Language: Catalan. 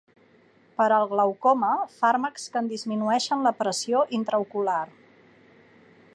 Per al glaucoma, fàrmacs que en disminueixen la pressió intraocular.